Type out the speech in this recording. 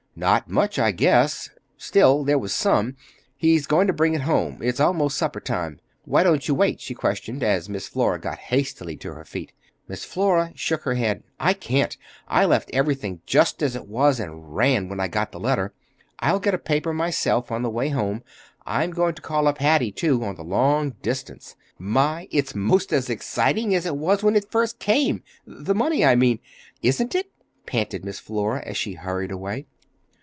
"Not much, I guess. Still, there was some. He's going to bring it home. It's 'most supper time. Why don't you wait?" she questioned, as Miss Flora got hastily to her feet. Miss Flora shook her head. "I can't. I left everything just as it was and ran, when I got the letter. I'll get a paper myself on the way home. I'm going to call up Hattie, too, on the long distance. My, it's 'most as exciting as it was when it first came,—the money, I mean,—isn't it?" panted Miss Flora as she hurried away.